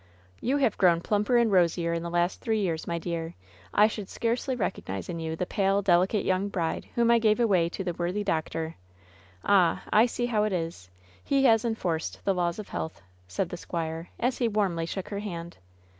"You have grown plumper and rosier in the last three years, my dear. I should scarcely recognize in you the pale, delicate young bride whom I gave away to the worthy doctor. Ah I I see how it is ! He has enforced the laws of health," said the squire, as he warmly shook her hand.